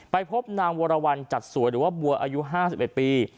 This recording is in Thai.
ไปพบนางวรวรรณจัดสวยหรือว่าบัวอายุ๕๑ปี